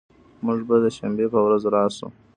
مونږ به د شنبې په ورځ راشو